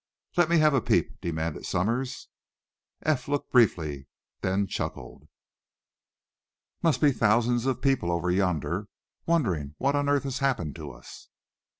"Let me have a peep," demanded Somers. Eph looked briefly, then chuckled: "Must be thousands of people over yonder, wondering what on earth has happened to us!"